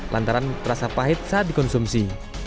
lantaran terasa pahit saat dikonsumsi